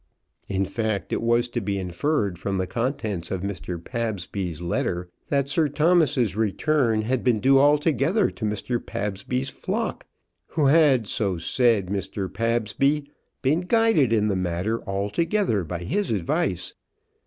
In fact, it was to be inferred from the contents of Mr. Pabsby's letter that Sir Thomas's return had been due altogether to Mr. Pabsby's flock, who had, so said Mr. Pabsby, been guided in the matter altogether by his advice.